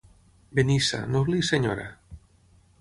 Benissa, noble i senyora.